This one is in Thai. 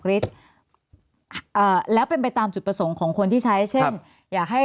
ฤทธิ์เอ่อแล้วเป็นไปตามจุดประสงค์ของคนที่ใช้เช่นอย่าให้